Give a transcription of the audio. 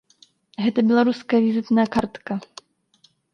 Гэта беларуская візітная картка.